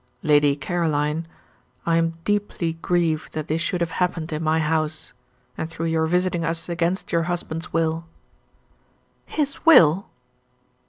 "Lady Caroline, I am deeply grieved that this should have happened in my house, and through your visiting us against your husband's will." "His will!"